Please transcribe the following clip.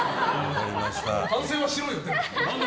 反省はしろよ、でも。